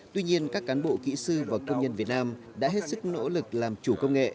tuy nhiên các cán bộ kỹ sư và công nhân việt nam đã hết sức nỗ lực làm chủ công nghệ